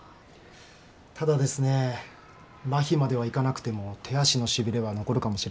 麻痺まではいかなくても手足のしびれは残るかもしれません。